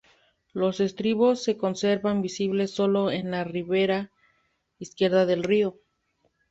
Los estribos se conservan visibles sólo en la ribera izquierda del río.